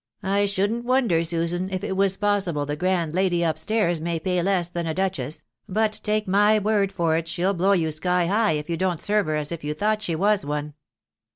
I shouldn't wonder, Susan, if it .was possible the grand lady up stairs may pay lass than a duchess ; but. take my word for it shell blow you, sky high, if you don't serve her as if you thought she was one."